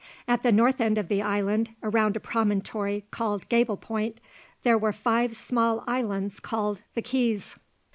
At the north end of the island, around a promontory called Gable Point, there were five small islands called The Keys.